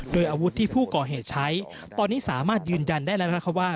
โดยอาวุธที่ผู้ก่อเหตุใช้ตอนนี้สามารถยืนยันได้แล้วนะคะว่า